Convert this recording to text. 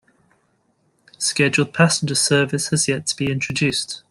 Scheduled passenger service has yet to be introduced.